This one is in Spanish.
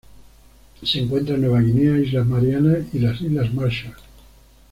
Se encuentra en Nueva Guinea, Islas Marianas y las Islas Marshall.